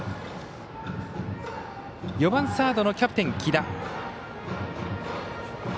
４番サードのキャプテン来田。